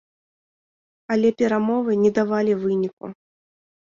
Але перамовы не давалі выніку.